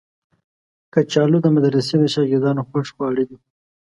کچالو د مدرسې د شاګردانو خوښ خواړه دي